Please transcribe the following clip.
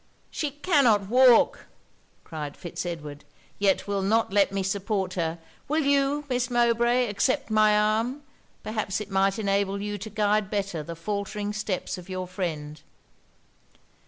'She cannot walk,' cried Fitz Edward, 'yet will not let me support her. Will you, Miss Mowbray, accept my arm; perhaps it may enable you to guide better the faultering steps of your friend.'